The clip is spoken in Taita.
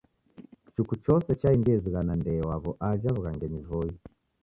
Kichuku chose chaendie zighana ndee waw'o aja w'ughangenyi Voi.